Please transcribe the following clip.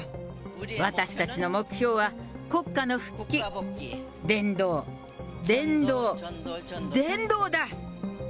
私たちの目標は、国家の復帰、伝道、伝道、伝道だ。